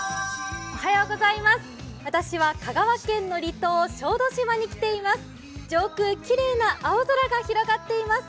私は香川県の離島小豆島に来ています。